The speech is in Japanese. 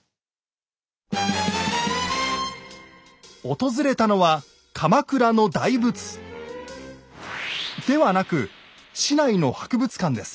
訪れたのは鎌倉の大仏ではなく市内の博物館です。